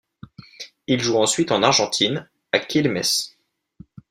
Il joue ensuite en Argentine, à Quilmes.